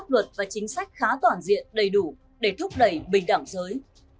pháp luật và chính sách khá toàn diện đầy đủ để thúc đẩy bình đẳng giới